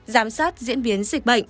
giám sát diễn biến dịch bệnh